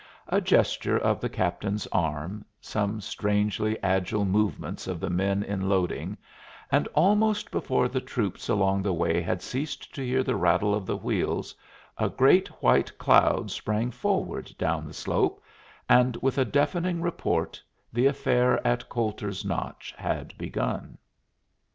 A gesture of the captain's arm, some strangely agile movements of the men in loading, and almost before the troops along the way had ceased to hear the rattle of the wheels, a great white cloud sprang forward down the slope, and with a deafening report the affair at Coulter's Notch had begun.